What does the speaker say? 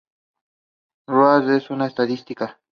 Rao en Estadística.